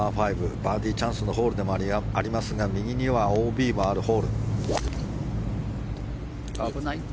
バーディーチャンスのホールでもありますが右にはＯＢもあるホール。